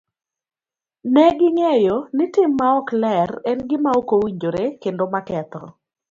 Ne ging'eyo ni tim maok ler en gima ok owinjore kendo maketho.